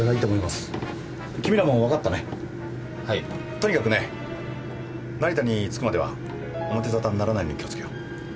とにかくね成田に着くまでは表沙汰にならないように気を付けよう。